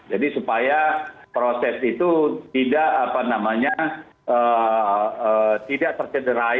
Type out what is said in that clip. jadi supaya proses itu tidak apa namanya tidak tercederai oleh